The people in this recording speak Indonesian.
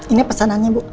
ini pesanannya bu